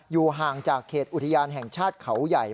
ห่างจากเขตอุทยานแห่งชาติเขาใหญ่